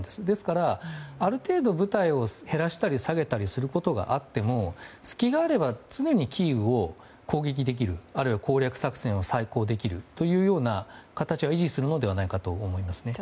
ですから、ある程度部隊を減らしたり下げたりすることがあっても隙があれば常にキーウを攻撃できるあるいは攻略作戦を再考できるというような形は維持するのではないかと思います。